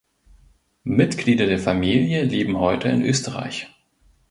Mitglieder der Familie leben heute in Österreich.